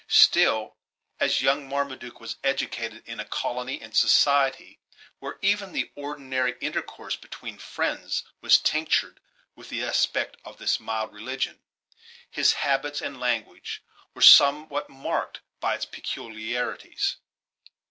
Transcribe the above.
Still, as young Marmaduke was educated in a colony and society where even the ordinary intercourse between friends was tinctured with the aspect of this mild religion, his habits and language were some what marked by its peculiarities.